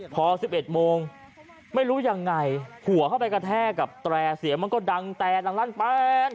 พอ๑๑โมงไม่รู้ยังไงหัวเข้าไปกระแทกกับแตร่เสียงมันก็ดังแต่ดังลั่นแป้น